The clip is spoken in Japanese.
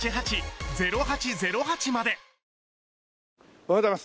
おはようございます。